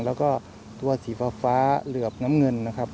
แล้วก็ตัวสีฟ้าเหลือบน้ำเงินนะครับ